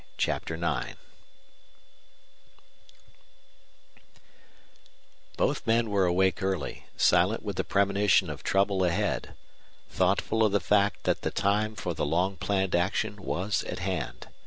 CHAPTER IX Both men were awake early, silent with the premonition of trouble ahead, thoughtful of the fact that the time for the long planned action was at hand.